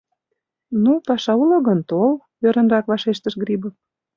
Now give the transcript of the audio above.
— Ну, паша уло гын, тол, — ӧрынрак вашештыш Грибов.